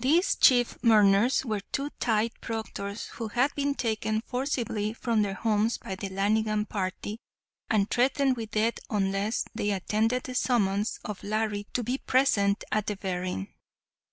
These chief mourners were two tithe proctors, who had been taken forcibly from their homes by the Lanigan party, and threatened with death unless they attended the summons of Larry to be present at "The Berrin'."